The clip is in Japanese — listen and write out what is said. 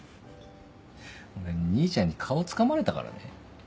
俺兄ちゃんに顔つかまれたからね。